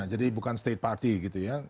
bukan state party gitu ya